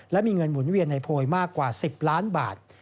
และมีเงินหมุนเวียนในโพยมากกว่า๑๐ล้านบาท